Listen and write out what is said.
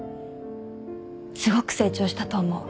すごく成長したと思う。